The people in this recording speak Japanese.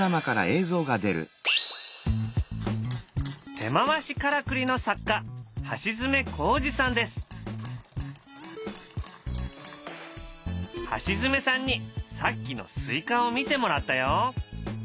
手回しからくりの作家橋爪さんにさっきのスイカを見てもらったよ。